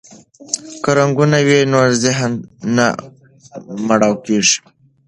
که رنګونه وي نو ذهن نه مړاوی کیږي.